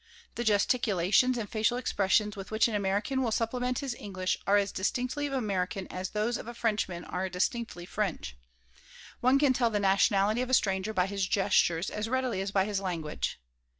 The gesticulations and facial expressions with which an American will supplement his English are as distinctively American as those of a Frenchman are distinctively French. One can tell the nationality of a stranger by his gestures as readily as by his language.